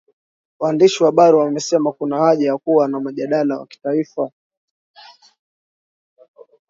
waandishi wa habari wamesema kuna haja ya kuwa na mjadala wa kitaifa